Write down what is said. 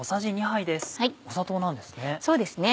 砂糖なんですね。